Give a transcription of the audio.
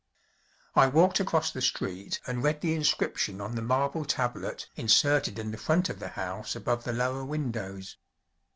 I walked across the street and read the inscription on the marble tablet inserted in the front of the house above the lower windows.